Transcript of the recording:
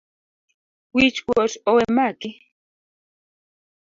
Wich kuot owemaki